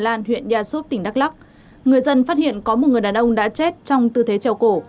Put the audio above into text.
công an huyện e soup tỉnh đắk lắk người dân phát hiện có một người đàn ông đã chết trong tư thế treo cổ